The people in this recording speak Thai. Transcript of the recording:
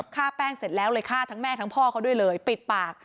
ฆ่าแป้งเสร็จแล้วเลยฆ่าทั้งแม่ทั้งพ่อเขาด้วยเลยปิดปาก